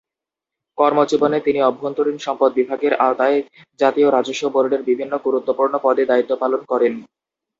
কর্মজীবনে তিনি অভ্যন্তরীণ সম্পদ বিভাগের আওতায় জাতীয় রাজস্ব বোর্ডের বিভিন্ন গুরুত্বপূর্ণ পদে দায়িত্ব পালন করেন।